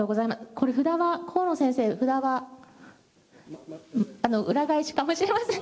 これ、札は河野先生、札は、裏返しかもしれません。